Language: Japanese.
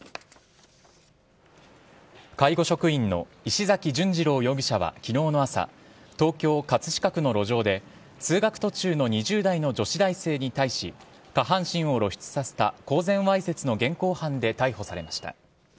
介護職員の石崎淳二朗容疑者は昨日の朝東京・葛飾区の路上で通学途中の２０代の女子大生に対し下半身を露出させた公然わいせつの現行犯で逮捕されました。